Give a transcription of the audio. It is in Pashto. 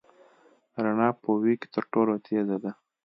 رڼا په وېګ کي تر ټولو تېزه ده.